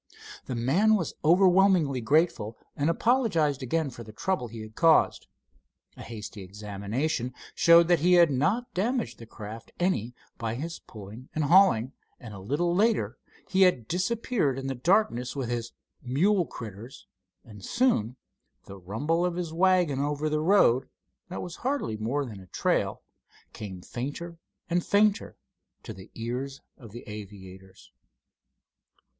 The man was overwhelmingly grateful and apologized again for the trouble he had caused. A hasty examination showed that he had not damaged the craft any by his pulling and hauling, and a little later he had disappeared in the darkness with his "mule critters," and soon the rumble of his wagon over the road, that was hardly more than a trail, came fainter and fainter to the ears of the aviators.